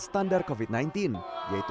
standar covid sembilan belas yaitu